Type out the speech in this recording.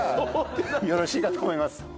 よろしいかと思います。